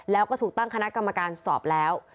แล้วก็ถูกตั้งคณะกรรมการสอบแล้ว